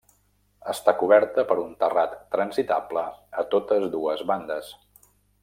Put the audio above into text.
Està coberta per un terrat transitable a totes dues bandes.